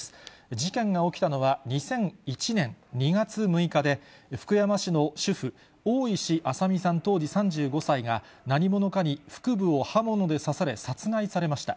事件が起きたのは２００１年２月６日で、福山市の主婦、大石朝美さん、当時３５歳が、何者かに腹部を刃物で刺され殺害されました。